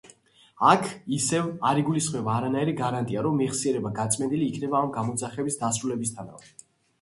აქ, ისევ, არ იგულისხმება არანაირი გარანტია, რომ მეხსიერება გაწმენდილი იქნება ამ გამოძახების დასრულებისთანავე.